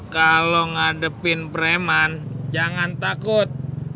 kalau ngadepin preman jangan takut